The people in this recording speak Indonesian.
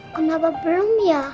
kenapa belum ya